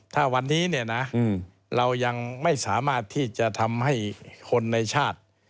ถ้าวันนี้เนี่ยนะเรายังไม่สามารถที่จะทำให้คนในชาติ